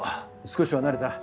少しは慣れた？